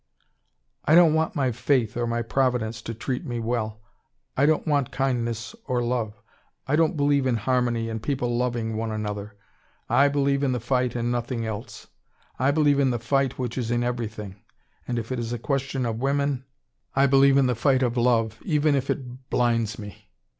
"I don't want my Fate or my Providence to treat me well. I don't want kindness or love. I don't believe in harmony and people loving one another. I believe in the fight and in nothing else. I believe in the fight which is in everything. And if it is a question of women, I believe in the fight of love, even if it blinds me.